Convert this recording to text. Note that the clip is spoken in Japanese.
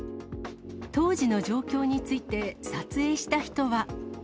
当時の状況について撮影した人は。